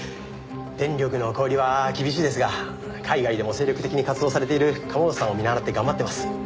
電力の小売りは厳しいですが海外でも精力的に活動されている釜本さんを見習って頑張ってます。